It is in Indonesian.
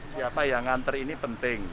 siapa yang nganter ini penting